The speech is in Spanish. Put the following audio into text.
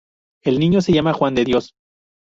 El niño se llama Juan de Dios.